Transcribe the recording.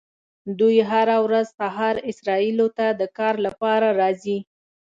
دوی هره ورځ سهار اسرائیلو ته د کار لپاره راځي.